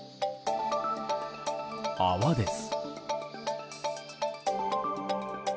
泡です。